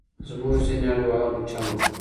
زموږ ځینې انډیوالان چم وکړ.